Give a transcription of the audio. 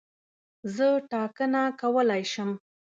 زه ټاکنه کولای شم.